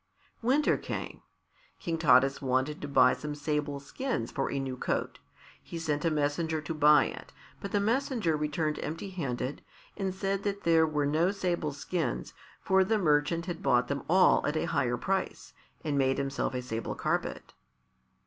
Winter came. King Taras wanted to buy some sable skins for a new coat. He sent a messenger to buy it, but the messenger returned empty handed, and said that there were no sable skins, for the merchant had bought them all at a higher price, and made himself a sable carpet.